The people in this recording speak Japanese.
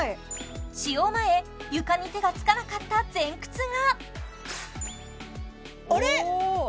使用前床に手がつかなかった前屈があれっ！？